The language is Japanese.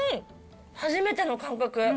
初めての感覚。